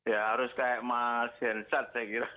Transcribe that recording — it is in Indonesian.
ya harus kayak mas hensat saya kira